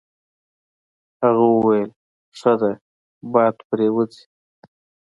هغه وویل: ښه ده باد پرې وځي.